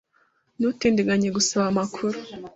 Ntutindiganye gusaba amakuru.